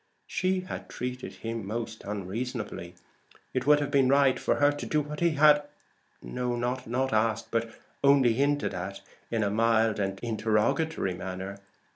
She had treated him most unreasonably. It would have been right for her to do what he had not asked, but only hinted at in a mild and interrogatory manner.